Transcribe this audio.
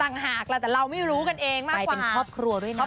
ต่างหากแล้วแต่เราไม่รู้กันเองมากกว่า